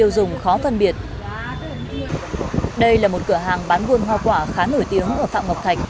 đây là một cửa hàng bán buôn hoa quả khá nổi tiếng ở phạm ngọc thạch